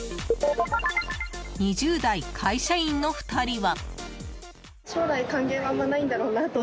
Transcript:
２０代会社員の２人は。